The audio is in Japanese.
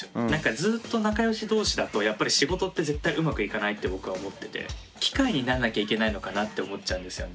ずっと仲良し同士だとやっぱり仕事って絶対うまくいかないって僕は思ってて機械になんなきゃいけないのかなって思っちゃうんですよね。